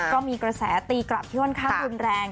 ก็มีกระแสตีกลับที่ค่อนข้างรุนแรง